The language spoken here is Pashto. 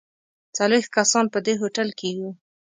څلوېښت کسان په دې هوټل کې یو.